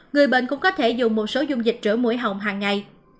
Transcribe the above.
người bệnh cũng có thể dùng một số dung dịch rửa mũi họng hàng ngày